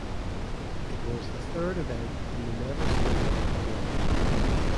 It was the third event in the Never Say Never chronology.